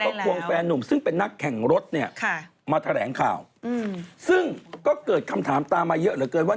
ก็ควงแฟนนุ่มซึ่งเป็นนักแข่งรถเนี่ยมาแถลงข่าวซึ่งก็เกิดคำถามตามมาเยอะเหลือเกินว่า